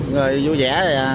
rồi vui vẻ